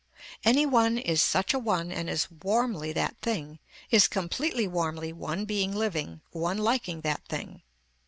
Any one is such a one and is warmly that thing, is completely warmly one being living, one liking that thing.